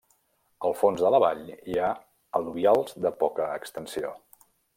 Al fons de la vall, hi ha al·luvials de poca extensió.